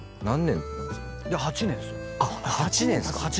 ８年っすか。